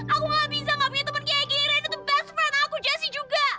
aku gak bisa gak punya temen kayak gini ren itu best friend aku jessie juga